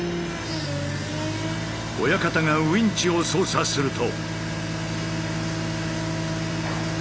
親方がウインチを操作すると。